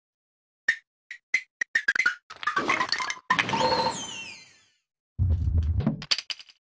お？